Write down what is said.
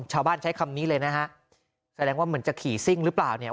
ใช้คำนี้เลยนะฮะแสดงว่าเหมือนจะขี่ซิ่งหรือเปล่าเนี่ย